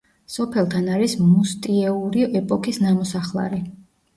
სოფელთან არის მუსტიეური ეპოქის ნამოსახლარი.